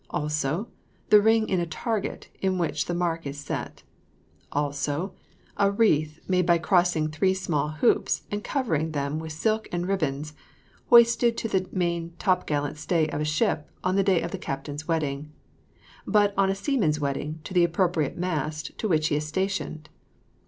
Also, the ring in a target, in which the mark is set. Also, a wreath made by crossing three small hoops, and covering them with silk and ribbons, hoisted to the main topgallant stay of a ship on the day of the captain's wedding; but on a seaman's wedding, to the appropriate mast to which he is stationed.